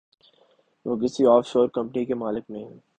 وہ کسی offshore company کے مالک نہیں۔